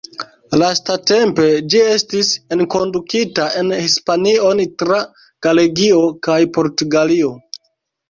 Lastatempe ĝi estis enkondukita en Hispanion tra Galegio kaj Portugalio.